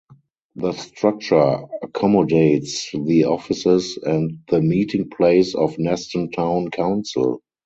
The structure accommodates the offices and the meeting place of Neston Town Council.